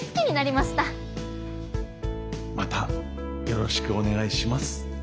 またよろしくお願いします。